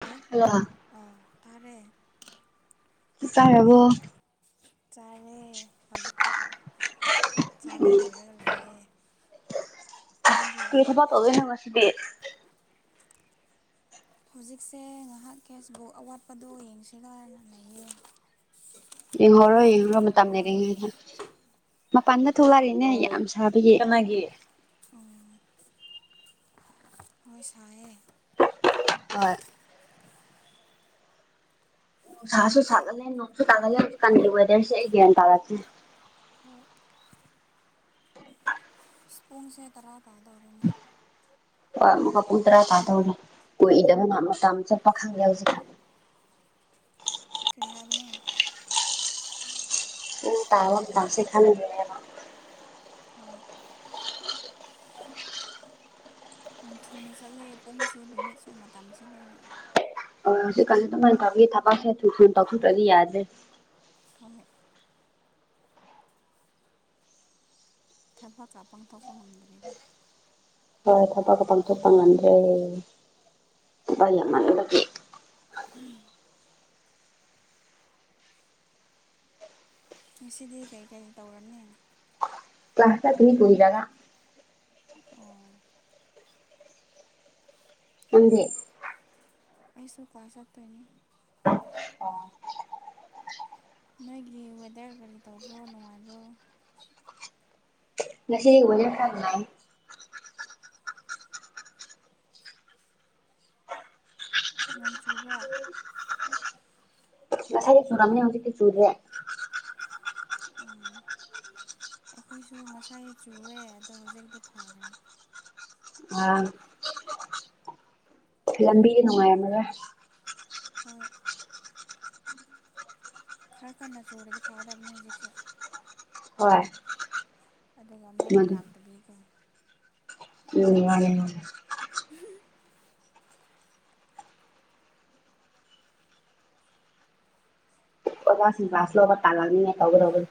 hello hello ꯆꯥꯛ ꯑꯣ ꯇꯥꯔꯦ ꯇꯥꯔꯕꯣ ꯆꯔꯦ ꯍꯧꯖꯤꯛꯇ ꯆꯥꯕ ꯂꯣꯏꯔꯒ ꯂꯩꯌꯦ ꯅꯪꯗꯤ ꯀ ꯊꯕ ꯇꯕ ꯅꯅꯨꯡꯉꯁꯤꯗꯤ ꯍꯧꯖꯤꯛꯁꯦ ꯉꯥꯏꯍꯥꯛ ꯀꯦꯁꯕꯨꯛ ꯑꯋꯥꯠꯄꯗꯣ ꯌꯦꯡꯁꯤꯒꯅ ꯂꯩꯌꯦ ꯌꯦꯡꯍꯧꯔꯣ ꯅꯪꯗꯤ ꯌꯦꯡꯍꯧꯔꯣ ꯃꯇꯝ ꯀꯩꯗꯧꯔꯤꯅꯣ ꯂꯩꯔꯤꯉꯩꯗ ꯃꯄꯥꯟꯗ ꯊꯣꯛꯂꯛꯏꯅꯦ ꯌꯥꯝ ꯁꯥꯕꯒꯤ ꯀꯅꯒꯤ ꯑꯣ ꯍꯣꯏ ꯁꯥꯏꯦ ꯑ ꯁꯥꯁꯨꯣ ꯆꯥꯛ ꯅꯣꯡꯁꯨꯣ ꯇꯥꯒꯂꯦ ꯀꯥꯟꯗꯋꯦꯗꯔꯁꯦꯒ ꯇꯥꯔꯦ ꯍꯣꯏ ꯏꯁ꯭ꯄꯣꯡꯁꯦ ꯇꯔꯥ ꯀꯥꯗꯧ ꯎ ꯍꯣꯏ ꯑꯃꯨꯛꯀ ꯄꯨꯡ ꯇꯔꯥ ꯇꯥꯗꯧꯔꯦ ꯀꯨꯏꯗꯕꯅꯍ ꯑꯃ ꯑꯃꯨꯛ ꯆꯠꯄ ꯈꯪꯗꯦ ꯍꯧꯖꯤꯛꯀ [unintelligible] ꯀꯔꯤꯍꯌꯥꯗꯅ ꯎ ꯇꯔꯒ ꯁꯤ ꯈꯥꯟ [inaudible] ꯍꯣꯏ ꯌꯥꯝ ꯊꯨꯅ ꯆꯠꯂꯦ ꯄꯨꯡꯁꯨ ꯅꯨꯃꯤꯠꯁꯨ ꯃꯇꯝꯁꯦ ꯂꯣꯏꯅ ꯑꯣ ꯍꯧꯖꯤꯛ ꯀꯖꯤ ꯑꯗꯨꯉꯥꯏꯅ ꯇꯒꯤ ꯊꯕꯛꯁꯦ ꯇꯊꯣꯛꯇ꯭ꯔꯗꯤ ꯌꯥꯗ꯭ꯔꯦ ꯍꯣꯏ ꯍꯣꯏ ꯊꯕꯛꯀ ꯄꯥꯡꯊꯣꯛꯄ ꯉꯝꯗ꯭꯭ꯔꯔꯤꯗ ꯍꯣꯏ ꯊꯕꯛꯀ ꯄꯥꯡꯊꯣꯛꯄ ꯉꯟꯗ꯭ꯔꯦ ꯄꯥ ꯌꯥꯝ ꯃꯥꯟꯂ ꯎꯝ ꯉꯁꯤꯗꯤ ꯀꯔꯤ ꯀꯔꯤ ꯇꯧꯔꯅꯤ ꯀ꯭ꯂꯥꯁꯇꯅꯤ ꯄꯨꯗꯒ ꯑꯣ ꯑꯗ ꯑꯁꯨꯀꯣꯁꯇꯣꯏꯅ ꯑꯣ ꯅꯣꯏꯒꯤ ꯋꯦꯗꯔ ꯀꯔꯤ ꯇꯧꯕ꯭ꯔꯣ ꯅꯨꯡꯉꯥꯏꯕ꯭ꯔꯣ ꯉꯁꯤ ꯋꯥꯖꯦ ꯐꯝꯅꯥ ꯎꯝ [unintelligible] ꯉꯁꯥꯏꯒꯤ ꯆꯨꯔꯝꯅꯤ ꯍꯧꯖꯤꯛꯇꯤ ꯆꯨꯨꯔ꯭ꯔꯦ [unintelligible] ꯑꯩꯈꯣꯏꯁꯨ ꯉꯁꯥꯏ ꯆꯨꯋꯦ ꯑꯗꯣ ꯍꯧꯖꯤꯛꯇꯤ ꯐꯥꯈ꯭ꯔꯦ ꯑ ꯂꯝꯕꯤꯒꯤ ꯅꯨꯡꯉꯥꯏꯔꯝꯃꯒꯣꯏ ꯍꯣꯏꯣꯏ ꯈꯔ ꯀꯟꯅ ꯆꯨꯔꯦꯗꯤ ꯐꯒꯗꯕꯅꯤ ꯍꯧꯖꯤꯛꯁꯨ ꯍꯣꯏ ꯑꯗꯨꯒ ꯃꯩ ꯂꯥꯛꯇꯕꯤꯀꯣ ꯎ ꯌꯥꯅꯤ ꯑꯣꯁꯤ ꯀ꯭ꯂꯥꯁꯂꯕ ꯇꯥꯟ ꯂꯅꯤ ꯇꯧꯒꯔ ꯇꯧ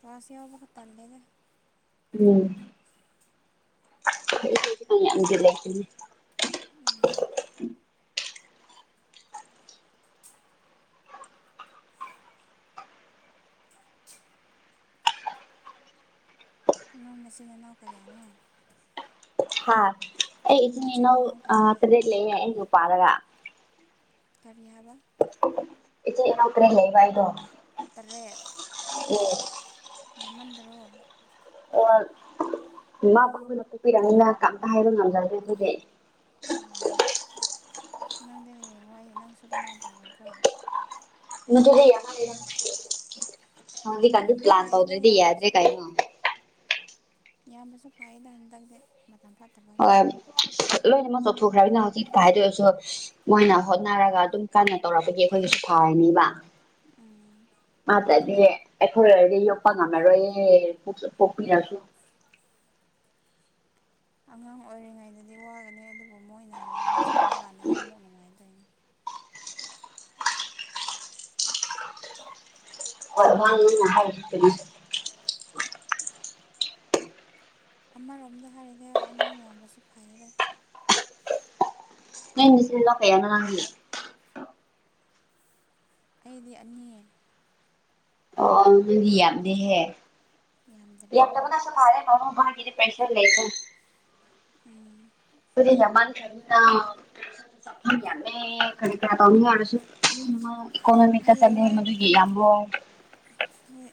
ꯎꯝ ꯑꯥꯁ ꯌꯥꯎꯕ ꯊꯂꯦꯗ ꯎꯝ [inaudible] [inaudible] [inaudible] ꯅꯣꯏ ꯃꯆꯤꯟ ꯃꯅꯥꯎ ꯀꯌꯥꯅꯣ ꯍꯥꯥ ꯑꯩ ꯏ ꯅꯆꯤꯟ ꯏꯩꯅꯣ ꯅꯅꯥꯎ ꯀꯌꯥꯅꯣ ꯇꯔꯦꯠ ꯂꯩ ꯑ ꯅꯨ ꯄꯥꯔꯒ ꯀꯔꯤꯍꯥꯢꯕ ꯏꯆꯦ ꯅ ꯀꯔꯤ ꯂꯩꯕꯏꯗꯣ ꯇꯔꯦꯠ ꯎꯝ ꯌꯥꯝꯃꯟꯗ꯭ꯔꯣ ꯃꯥ ꯄꯕꯨꯅ ꯄꯣꯛꯄꯤꯔꯅꯤꯅ ꯀꯝꯇ ꯍꯥꯏꯕ ꯉꯝꯖꯗ꯭ꯔꯦ ꯑꯩꯈꯣꯏꯗꯤ [inaudible] ꯅꯪꯗꯤ ꯍꯌꯦꯡ ꯋꯥꯏ ꯅꯪꯁꯨ ꯑꯗꯨꯃꯥꯏꯅ ꯇꯧꯒꯗ꯭ꯔꯣ ꯃ ꯍ ꯀ ꯑꯗꯨ ꯄ꯭ꯂꯥꯟ ꯐꯩꯌꯦꯗ ꯇꯧꯗ꯭ꯔꯦꯗꯤ ꯌꯥꯗ꯭ꯔꯦ ꯀꯥꯏꯅꯣ ꯌꯥꯝ ꯃꯁꯨ ꯐꯥꯏꯗ ꯏ ꯇꯒꯗ ꯍꯣꯏ ꯂ ꯑꯃ ꯆꯥꯎꯊꯣꯛꯈ꯭ꯔꯕꯅꯤꯅ ꯍꯧꯖꯤꯛꯇ ꯍꯥꯏꯗ ꯑꯣꯏꯔꯁꯨ ꯃꯣꯏꯅ ꯍꯣꯠꯅꯔꯒ ꯑꯗꯨꯝ ꯀꯟꯅ ꯇꯧꯔꯛꯄꯒꯤ ꯑꯩꯈꯣꯏꯒꯤꯁꯨ ꯐꯥꯔꯅꯦꯕ ꯎꯝ ꯃꯥ ꯇꯥꯏ ꯑꯦ ꯑꯩꯈꯣꯏ ꯂꯩꯔꯗꯤ ꯌꯣꯛꯄ ꯉꯝꯃꯔꯣꯏ ꯄꯣꯛꯄꯤꯔꯁꯨ ꯑꯉꯥꯡ ꯑꯣꯏꯔꯤꯉꯩꯗꯗꯤ ꯋꯥꯒꯅꯤ ꯑꯗꯨꯕꯨ ꯃꯣꯏꯅ ꯍꯌꯦꯡ ꯈꯋꯥꯏ ꯆꯥꯎꯕ ꯀꯥꯟꯗꯗꯤ ꯑꯃꯨꯛ ꯅꯨꯡꯉꯥꯏꯇꯣꯏꯅꯤ ꯍꯔꯥꯡ ꯍꯥꯏꯇꯅꯤ ꯑꯃꯔꯣꯝꯗ ꯍꯥꯏꯔꯤꯗꯤ ꯑꯉꯥꯡ ꯌꯥꯝꯕꯁꯨ ꯐꯩꯌꯦꯗ ꯅꯣꯢ ꯅꯆꯤꯟ ꯅꯅꯥꯎ ꯀꯌꯥꯅꯣ ꯅꯪꯒꯤ ꯑꯩꯗꯤ ꯑꯅꯤ ꯑꯣꯗꯤ ꯌꯥꯝꯗꯦꯍꯦ [unintelligible] ꯌꯥꯝꯗ꯭ꯔꯦ ꯍꯣꯏ ꯎꯝ ꯑꯗꯨꯗꯤ ꯌꯥꯝꯃꯟ ꯀꯗꯦ ꯈꯅꯤ꯭ꯔ ꯇꯅꯤꯡꯁꯨ ꯏꯀꯣꯅꯣꯃꯤ ꯆꯅꯤ ꯍꯌꯦꯡꯋꯥꯏ ꯃꯗꯨ ꯌꯦꯕꯨꯣ ꯍꯣꯏ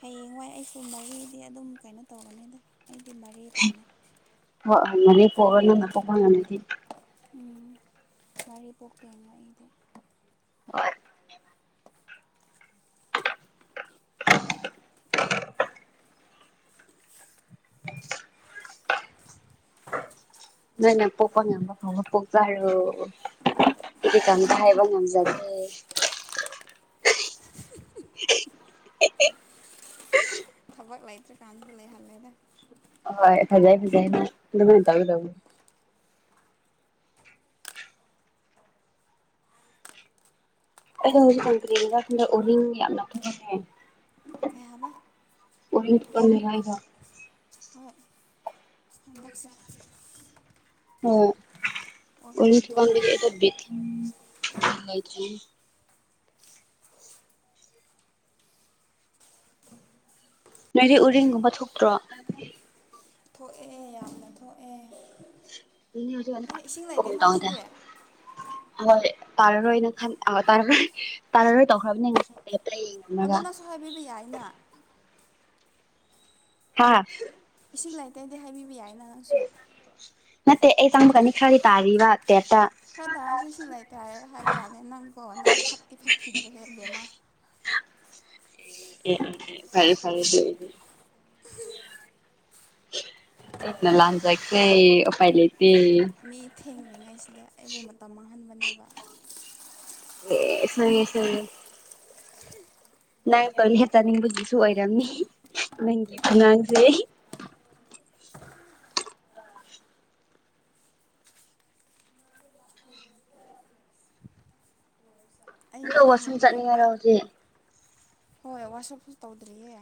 ꯍꯌꯦꯡꯋꯥꯏ ꯑꯩ ꯁꯨꯝꯕꯒꯤꯗꯤ ꯑꯗꯨꯝ ꯀꯩꯅꯣ ꯇꯧꯔꯅꯤꯗ ꯑꯣꯗꯤ ꯄꯅ ꯄꯕ ꯉꯅꯗꯤ ꯎꯝ ꯔꯤ ꯄꯣꯛꯇ ꯂ ꯑꯩꯗꯤ ꯍ ꯑ ꯅꯅ ꯄꯣꯛꯀꯅꯦ ꯐ ꯄꯣꯛ ꯆꯔ ꯑꯩ ꯀꯩ ꯀꯪꯇ ꯍꯥꯏꯕ ꯉꯝꯖꯒꯦ [inaudible] [inaudible] [inaudible] ꯊꯕꯛ ꯂꯩꯇ꯭ꯔꯔꯤꯀꯥꯟꯁꯨ ꯂꯩꯍꯜꯂꯦꯗ ꯍ ꯐꯖꯥꯏ ꯐꯖꯥꯏ ꯑꯗꯨ ꯇ ꯂ ꯑꯩꯣ ꯍꯧꯖꯤꯛꯀ ꯀꯔꯤ ꯑꯣꯏꯔꯤ ꯌꯥꯝ ꯅꯊꯧꯅꯦ ꯀꯩ ꯍꯥꯏꯕ ꯑꯣꯏꯄꯅꯤꯔꯒ ꯍꯛꯁꯦ ꯑꯣ ꯑꯣꯔꯅꯤꯡ ꯌꯥꯝ ꯊꯣꯛꯂꯝꯃꯦ ꯑꯣꯏꯀꯗ ꯦꯊ ꯂꯩꯥꯏ ꯊ ꯅꯣꯏꯗꯤ ꯎꯔꯤꯡꯒꯨꯝꯕ ꯊꯣꯛꯇ꯭ꯔꯣ ꯊꯣꯛꯑꯦ ꯌꯥꯝꯅ ꯊꯣꯛꯑꯦ ꯏ ꯍꯧꯖꯤ ꯑꯦ ꯏꯁꯤꯡ ꯂꯩꯇꯦꯅ ꯇꯗ ꯁꯤꯗꯤ ꯍꯣꯏ ꯇꯥꯔ ꯏ ꯈꯥꯟ ꯇꯥꯔ ꯇꯥꯔ ꯇꯧꯈꯥꯕꯤꯅ ꯑꯗꯨ ꯅꯪꯁꯨ ꯍꯥꯏꯕꯤꯕ ꯌꯥꯏꯅ ꯍꯥ ꯏꯁꯤꯡ ꯂꯥꯏꯔꯤꯛ ꯇꯩꯗꯤ ꯍꯥꯏꯕꯤꯕ ꯌꯥꯏꯅ ꯅꯪꯁꯨ ꯅꯠꯇꯦ ꯑꯩ ꯆꯪꯃꯛꯀꯅꯤ ꯈꯔꯗꯤ ꯇꯥꯔꯤꯕ ꯇꯦꯇ ꯈꯔ ꯇꯥꯔꯁꯨ ꯁꯤ ꯂꯩꯇꯦ ꯍꯥꯏꯔꯣ ꯍꯥꯏꯕ ꯌꯥꯂꯦ ꯅꯪꯀꯣ ꯅꯕꯨ ꯐꯠꯇꯤ ꯐꯠꯈꯤꯗ꯭ꯔꯦꯍꯦ ꯏꯕꯦꯝꯃ ꯐꯔꯦ ꯐꯔꯦ ꯂꯍꯥꯟ ꯆ ꯀ ꯄꯥꯏ ꯂꯩ ꯃꯤ ꯊꯦꯡꯗ꯭ꯔꯤꯉꯩꯁꯤꯗ ꯑꯩꯕꯨ ꯃꯇꯝ ꯃꯥꯡꯍꯟꯕꯅꯦꯕ ꯑꯦ ꯁꯅꯤ ꯁ ꯅꯪ ꯇꯧꯂ ꯆꯥꯅꯤꯡꯕꯒꯤꯁꯨ ꯑꯣꯏꯔꯝꯅꯤ ꯅꯪꯒꯤ ꯈꯨꯅꯥꯥꯡꯁꯦ ꯑꯩ ꯑꯗ ꯋꯥꯁꯨꯝ ꯆꯠꯅꯤꯡꯉꯔ ꯊꯦꯡꯈ꯭ꯔꯅꯦꯕ ꯍꯧꯖꯤꯦ ꯍꯣꯏ ꯋꯥꯁꯞꯁꯨ ꯇꯧꯗ꯭ꯔꯤꯌꯦ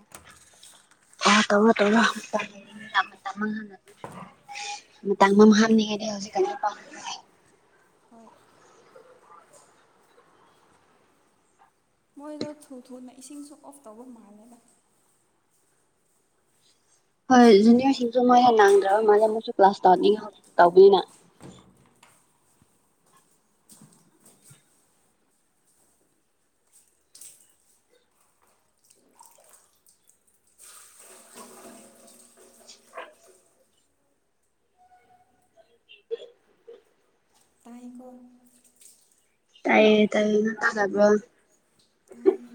ꯑ ꯇꯧ ꯇꯧꯔꯥꯡ ꯃꯇꯥꯡ ꯃꯥꯡꯍꯟꯅꯤꯡꯉꯦꯗꯤ ꯍꯧꯖꯤꯛꯀ ꯄꯥ ꯍꯣꯏ ꯃꯣꯏꯗꯣ ꯊꯨ ꯊꯨꯅ ꯏꯁꯤꯡꯁꯨ ꯑꯣꯐ ꯇꯧꯕ ꯃꯥꯜꯂꯦꯅ ꯍꯣꯏ ꯖꯨꯅꯤꯌꯔꯁꯤꯡꯁꯨ ꯃꯣꯏ ꯍꯦ ꯅꯥꯡꯗ꯭ꯔꯕ ꯃꯥꯜꯂꯦ ꯃꯣꯏꯁꯨ ꯀ꯭ꯂꯥꯁ ꯇꯧꯍꯅꯤꯡꯉ ꯇꯧꯕꯅꯤꯅ ꯑ [unintelligible] ꯑꯩꯀꯣ ꯇꯥꯏꯌꯦ ꯇꯌꯦ ꯉꯠꯇ ꯍꯥꯏꯕ꯭ꯔ ꯇꯥꯏꯌꯦ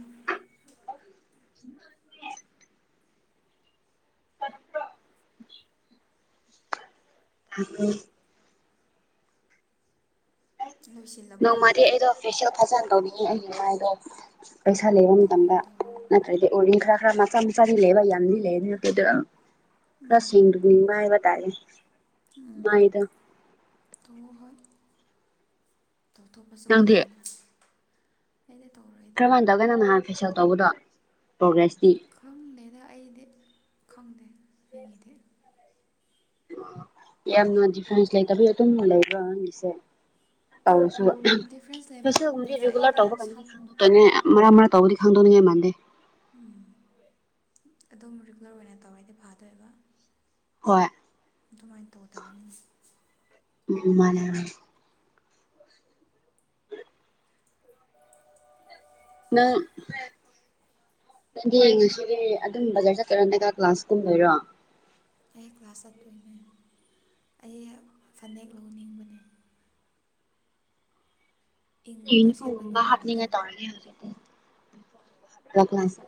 ꯎ ꯑꯠꯇ ꯍꯣ ꯂꯣꯏꯁꯤꯜꯂꯕꯣ ꯅꯣꯡꯃꯗꯤ ꯑꯩꯗꯣ ꯐꯦꯁꯤꯌꯦꯜ ꯐꯖꯅ ꯇꯧꯕꯅꯤꯡꯉꯤ ꯑꯩꯒꯤ ꯃꯥꯏꯗꯣ ꯄꯩꯁꯥ ꯂꯩꯕ ꯇꯧꯋꯣ ꯃꯇꯝꯗ ꯇꯧꯋꯣ ꯅꯠꯇ꯭ꯔꯗꯤ ꯑꯣꯔꯗꯤꯡ ꯈꯔ ꯈꯔ ꯃꯆꯥ ꯃꯆꯥꯅꯤ ꯂꯩꯕ ꯌꯥꯝꯗꯤ ꯂꯩꯕ ꯑꯗꯨ ꯅꯠꯇꯦ ꯔꯁ ꯃꯥꯑꯕꯇꯥꯔꯦ ꯎꯝ ꯇꯣ ꯍꯣꯏ ꯇꯧꯊꯣꯛꯄꯁꯨ ꯅꯪꯗꯤ ꯐꯒꯅꯤ ꯑꯩꯅ ꯇꯧ ꯀꯔꯝꯍꯥꯟ ꯇꯧꯒꯅꯪ ꯅꯍꯥꯟ ꯐꯦꯁꯜ ꯇꯧꯕꯗꯣ ꯄ꯭ꯔꯣꯒ꯭ꯔꯦꯁ ꯈꯪꯗꯦꯗ ꯑꯩꯗꯤ ꯈꯪꯗꯦ ꯑꯩꯒꯤꯗꯤ ꯌꯥꯝꯅ ꯗꯤꯐ꯭ꯔꯦꯟꯁ ꯂꯩꯇꯕ ꯑꯗꯨ ꯂꯩꯕ꯭ꯔꯣꯪꯒꯤꯁꯦ ꯗꯤꯐ꯭ꯔꯦꯟꯁ ꯂꯩꯕ ꯈꯪꯗꯦꯗ ꯔꯤꯒꯨꯂꯔ ꯑꯩꯗꯤ ꯇꯧꯕ ꯀꯅꯤꯒꯤ ꯁꯝ ꯈꯪꯗꯣꯛꯇꯣꯏꯅꯦ ꯃꯔꯛ ꯃꯔꯛ ꯇꯧꯗꯤ ꯈꯪꯗꯣꯏꯅꯤꯡꯉꯥꯏ ꯃꯥꯟꯗꯦ ꯎꯝ ꯑꯗꯨꯝ ꯔꯤꯒꯨꯂꯔ ꯑꯣꯏꯅ ꯇꯧꯔꯗꯤ ꯐꯥꯗꯣꯏꯕ ꯍꯣꯏ ꯑꯗꯨꯃꯥꯏꯅ ꯇꯧ ꯇꯕꯅꯤ ꯎ ꯃꯥꯅꯦ ꯎ ꯅꯪ ꯅꯪꯗꯤ ꯉꯁꯤꯗꯤ ꯑꯗꯨꯝ ꯕꯖꯥꯔ ꯆꯠꯀꯔꯣꯅꯦꯒꯥ ꯀ꯭ꯂꯥꯁꯀꯨꯝ ꯂꯩꯔꯣ ꯑꯩ ꯀ꯭ꯂꯥꯁ ꯆꯠꯇꯣꯏꯅꯦ ꯑꯩ ꯐꯅꯦꯛ ꯂꯧꯍꯅꯤꯡꯕꯅꯦ ꯏꯪꯕꯗꯣ ꯁꯦꯠꯄ ꯍꯕ ꯅꯨꯡꯉꯥꯏꯕꯗꯣ ꯍꯥꯔꯅꯤꯉ ꯇꯥꯔꯦ ꯍꯧꯖꯤꯦꯗꯤ ꯂꯅꯥ ꯊ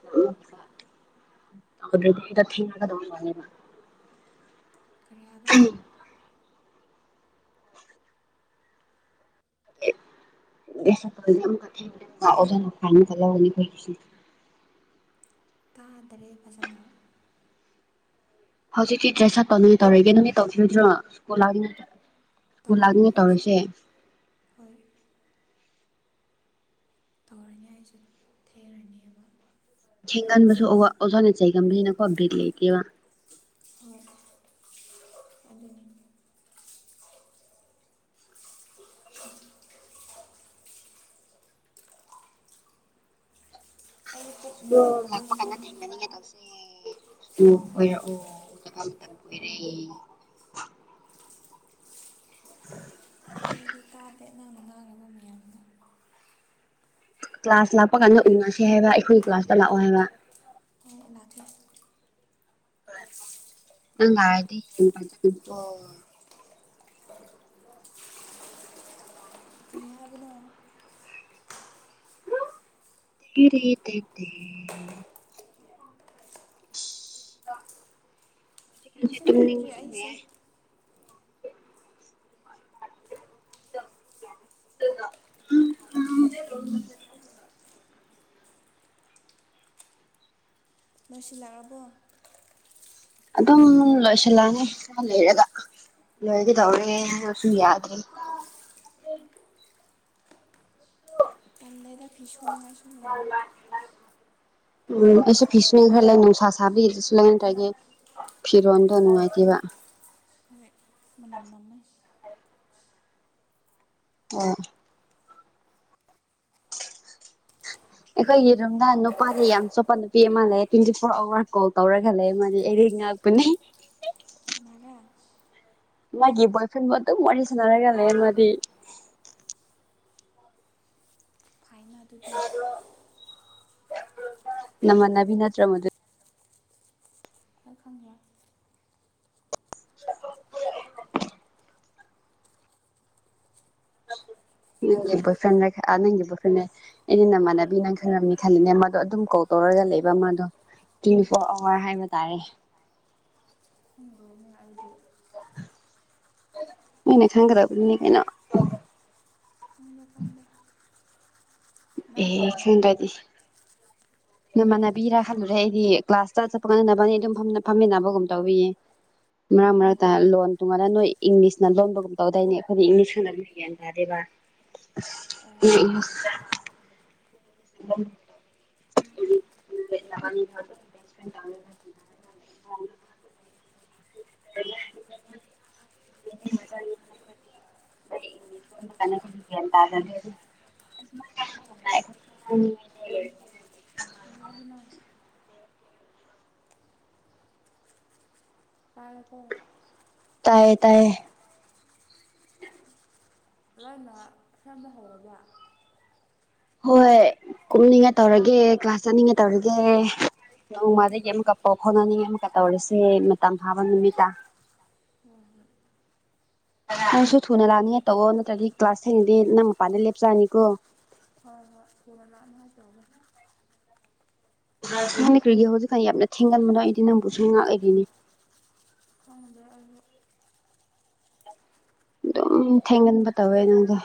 ꯀꯔꯤꯌꯥꯕ ꯑꯦ [unintelligible] ꯇꯥꯗ꯭ꯔꯦ ꯐꯖꯅ ꯍꯧꯖꯤꯛꯀꯤ ꯗ꯭ꯔꯦꯁ ꯁꯠꯠꯇꯧ ꯅꯣꯏꯅ ꯇꯧꯔꯒꯦ ꯅꯒꯤ ꯇꯧꯈꯤꯕꯗ꯭ꯔꯣꯀꯨꯜꯠꯇ꯭ꯔ ꯁꯀꯨꯜ ꯂꯥꯛꯅꯤ ꯇꯧꯔꯅꯤ ꯑꯩꯁꯨ ꯇꯧꯔꯤꯁꯦ ꯍꯣꯏ ꯇꯧꯔꯅꯤ ꯑꯩꯁꯨ ꯊꯦꯡꯔꯅꯦꯕ ꯊꯦꯡꯒꯟꯕꯁꯨ ꯑꯣꯖ ꯅ ꯆꯩꯒꯟꯕꯥꯅꯤꯅ ꯀꯦ ꯕꯤꯠ ꯂꯩꯇꯦꯕꯥ ꯍ ꯑꯗꯨ [unintelligible] ꯑꯩ ꯄꯨꯛ ꯁ꯭ꯀꯨꯜ ꯂꯥꯛꯄ ꯅꯨꯡꯉꯥꯏꯇꯕꯒꯤꯀꯣ ꯀꯥꯟꯗ ꯊꯦꯡꯅꯥꯅꯤꯡꯉꯥꯏ ꯇꯧꯁꯦ ꯀꯣꯏꯔꯛꯑꯣ [unintelligible] [unintelligible] ꯑꯩꯗꯤ ꯇꯥꯗꯦ ꯅꯪꯅ ꯉꯥꯡꯉꯤꯕ ꯃꯌꯥꯝꯗꯣ ꯀ꯭ꯂꯥꯁ ꯂꯥꯛꯄ ꯀꯥꯟꯗ ꯎꯅꯁꯦ ꯍꯥꯏꯕ ꯑꯩꯈꯣꯏꯒꯤ ꯀ꯭ꯂꯥꯁꯇ ꯂꯥꯛꯑꯣ ꯍꯥꯏꯕ ꯍꯣꯏ ꯂꯥꯛꯀꯦ [unintelligible] ꯀꯩ ꯍꯥꯏꯕꯅꯣ [unintelligible] ꯃꯁꯛ ꯇꯧꯗ꯭ꯔꯤ ꯑꯩꯁꯦ [unintelligible] [inaudible] [unintelligible] ꯂꯣꯏꯁꯤꯜꯂꯛ ꯑꯥꯕꯣ ꯑꯗꯨꯝ ꯂꯣꯏꯁꯤꯜꯂꯒꯦ ꯈꯔ ꯂꯩꯔꯒ ꯂꯣꯏꯒꯦ ꯇꯧꯔꯦ ꯍꯥꯏꯔꯁꯨ ꯌꯥꯗ꯭ꯔꯦ ꯇꯥꯟꯂꯦꯗꯥ ꯐꯤꯁꯨꯅꯤꯉꯥꯏ ꯁꯨ ꯂꯩꯌꯦ ꯎꯝ ꯑꯩꯁꯨ ꯐꯤꯁꯅꯦ ꯈꯔ ꯂꯩ ꯅꯨꯡꯁꯥ ꯁꯥꯕꯤꯗꯨꯁꯨ ꯂꯩꯅꯗ꯭ꯔꯒꯦ ꯐꯤꯔꯣꯟꯗꯣ ꯅꯨꯡꯉꯥꯏꯇꯦꯕꯥ ꯍꯣꯏ [unintelligible] ꯑ ꯑꯩꯈꯣꯏꯒꯤ ꯔꯨꯝꯗꯥ ꯅꯨꯄꯥꯗ ꯌꯥꯝ ꯆꯣꯠꯄ ꯅꯨꯄꯤ ꯑꯃ ꯂꯩ ꯇ꯭ꯋꯦꯟꯇꯤ ꯐꯣꯔ ꯑꯋꯥꯔ ꯀꯣꯜ ꯇꯧꯔꯒ ꯂꯩꯝꯃꯥꯗꯤ [unintelligible] [unintelligible] ꯃꯣꯏꯒꯤ ꯕꯣꯏꯐ꯭ꯔꯦꯟ ꯕꯨ ꯑꯗꯨꯝ ꯋꯥꯔꯤ ꯁꯅꯔꯒ ꯂꯩ ꯃꯥꯗꯤ [unintelligible] ꯅꯥꯃꯟꯅꯕꯤꯅꯠꯇꯔꯥ ꯃꯗꯨ [unintelligible] [inaudible] ꯅꯪꯒꯤ ꯕꯣꯏ ꯐ꯭ꯔꯦꯟꯗ ꯅꯪꯒꯤ ꯕꯣꯏ ꯐ꯭ꯔꯦꯟꯟꯅ ꯑꯩꯅ ꯅꯃꯥꯟꯅꯕꯤ ꯅꯪ ꯈꯜꯂꯝꯅꯤ ꯈꯜꯂꯤꯅꯦ ꯃꯗꯣ ꯑꯗꯨꯝ ꯀꯣꯜ ꯇꯧꯔꯒ ꯂꯩꯕ ꯃꯥꯗꯣ ꯇ꯭ꯋꯦꯟꯇꯤ ꯐꯣꯔ ꯑꯋꯥꯔ ꯍꯥꯏꯕ ꯇꯥꯔꯦ ꯗ ꯑꯩꯗꯤ [unintelligible] [unintelligible] ꯅꯪ ꯑꯦ ꯈꯪꯉꯤꯁꯤꯗꯤ ꯈꯪꯗꯔꯥꯗꯤ ꯅꯃꯥꯟꯅꯕꯤꯔ ꯈꯜꯂꯨꯔꯦ ꯑꯩꯗꯤ ꯀ꯭ꯂꯥꯁꯇ ꯆꯠꯄ ꯅꯥꯕꯥꯅꯤ ꯑꯗꯨꯝ ꯐꯝꯃꯤꯟꯅꯕꯒꯨꯝ ꯇꯧꯋꯤ ꯃꯔꯛ ꯑꯣ ꯃꯔꯛꯇ ꯂꯣꯟ ꯇꯣꯡꯉꯥꯟꯅ ꯅꯣꯏ ꯏꯪꯂꯤꯁꯅ ꯂꯣꯟꯕꯒꯨꯝ ꯇꯧꯗꯏꯅꯦ ꯑꯩꯈꯣꯏꯗꯤ ꯏꯪꯂꯤꯁ ꯈꯪꯗꯕꯒꯤ ꯒꯌ꯭ꯥꯟ ꯇꯥꯗꯦꯕ ꯑꯣ ꯎꯝ ꯎ [unintelligible] [unintelligible] [unintelligible] [unintelligible] [unintelligible] ꯃꯅꯤꯄꯨꯔ ꯇꯥꯏꯌꯦ ꯇꯥꯏꯌꯦ ꯂꯣꯏꯅ ꯁꯦꯝꯕ ꯍꯧꯔꯕ ꯍꯣꯏ ꯀꯣꯛꯅꯤꯡꯉ ꯇꯧꯔꯒꯦ ꯀ꯭ꯂꯥꯁ ꯆꯠꯅꯤꯡꯉ ꯇꯧꯔꯒꯦ ꯅꯣꯡꯃꯗꯒꯤ ꯑꯃꯛ ꯀꯛꯄ ꯈꯣꯠꯅꯅꯤꯡꯉ ꯇꯧꯔꯁꯦ ꯃꯇꯝ ꯐꯥꯕ ꯅꯨꯃꯤꯠꯇ ꯍꯣꯏ ꯅꯪꯁꯨ ꯊꯨꯅ ꯂꯥꯛꯅꯤꯉꯦ ꯇꯧꯑꯣ ꯅꯠꯇ꯭ꯔꯗꯤ ꯀ꯭ꯂꯥꯁ ꯊꯦꯡꯉꯗꯤ ꯅꯪ ꯃꯄꯥꯟꯗ ꯂꯦꯞꯆꯅꯤꯀꯣ ꯍꯣꯏ ꯍꯣꯏ ꯐꯔꯅꯥꯅ ꯇ ꯈ꯭ꯔꯤꯒꯦ ꯍꯧꯖꯤꯛꯀꯥꯟ ꯌꯥꯝꯅ ꯊꯦꯡꯒꯟꯕꯗꯣ ꯑꯩꯗꯤ ꯅꯪꯕꯨꯁꯨ ꯉꯥꯛ ꯑꯣꯏꯔꯤꯅꯦ ꯊꯍꯗꯦ ꯑ ꯑꯗꯨꯝ ꯊꯦꯡꯒꯟꯕ ꯇꯧꯋꯦ ꯅꯪꯗꯣ